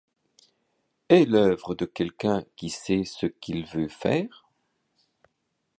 Est l’œuvre de quelqu’un qui sait ce qu’il veut faire ?